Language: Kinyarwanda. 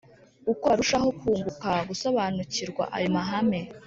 uko barushaho kunguka gusobanukirwa ayo mahame